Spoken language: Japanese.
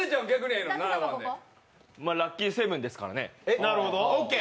ラッキーセブンですからね。